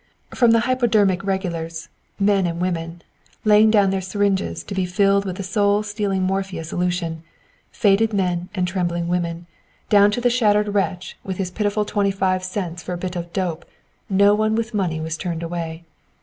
From the "hypodermic" regulars, men and women, laying down their syringes to be filled with the soul stealing morphia solution faded men and trembling women, down to the shattered wretch, with his pitiful twenty five cents for a bit of "dope," no one with money was turned away.